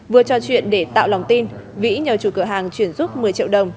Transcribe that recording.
vừa trò chuyện để tạo lòng tin vĩ nhờ chủ cửa hàng chuyển giúp một mươi triệu đồng